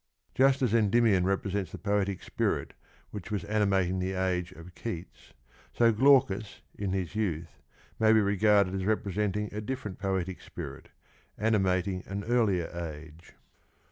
Just as Endymion represents the poetic spirit which was animating the age of Keats, so Glaucus in his youth may be regarded as representing a different poetic spirit, animating an earlier age.